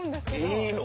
いいの？